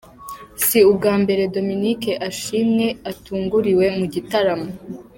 Si ubwa mbere Dominic Ashimwe atunguriwe mu gitaramo.